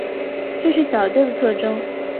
这是小调的特征。